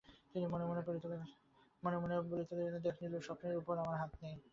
তিনি মনে মনে বলতে লাগলেন, দেখ নীলু, স্বপ্নের ওপর আমার হাত নেই।